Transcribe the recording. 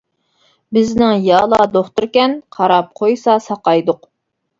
بىزنىڭ يالا دوختۇركەن، قاراپ قويسا ساقايدۇق.